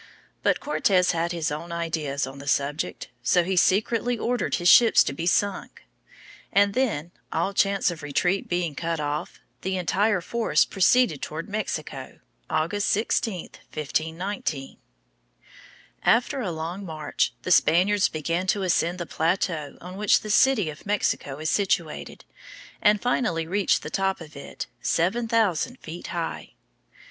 But Cortes had his own ideas on the subject. So he secretly ordered his ships to be sunk, and then, all chance of retreat being cut off, the entire force proceeded toward Mexico, August 16, 1519. After a long march, the Spaniards began to ascend the plateau on which the city of Mexico is situated, and finally reached the top of it, seven thousand feet high.